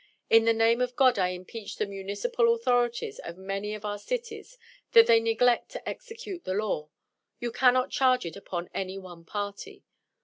In the name of God I impeach the municipal authorities of many of our cities, that they neglect to execute the law. You cannot charge it upon any one party.